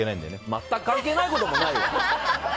全く関係ないこともないよ！